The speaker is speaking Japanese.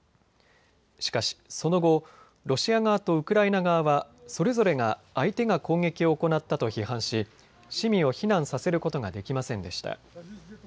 しかし、その後、ロシア側とウクライナ側はそれぞれが相手が攻撃を行ったと批判し、市民を避難させることができませんでした。